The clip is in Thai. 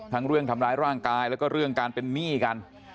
ทั้งเรื่องทำร้ายร่างกายแล้วก็เรื่องการเป็นหนี้กัน